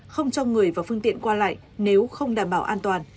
không cho người và phương tiện qua lại nếu không đảm bảo an toàn